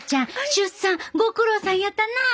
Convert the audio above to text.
出産ご苦労さんやったなぁ。